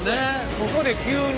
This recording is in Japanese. ここで急に。